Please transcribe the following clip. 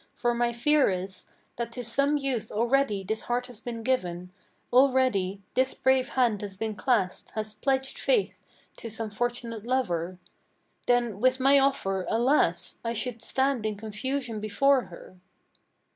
For my fear is That to some youth already this heart has been given; already This brave hand has been clasped, has pledged faith to some fortunate lover. Then with my offer, alas! I should stand in confusion before her."